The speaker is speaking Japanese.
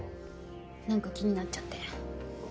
なんか気になっちゃって。